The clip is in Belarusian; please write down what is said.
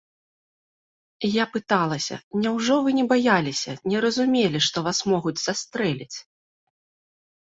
Я пыталася, няўжо вы не баяліся, не разумелі, што вас могуць застрэліць?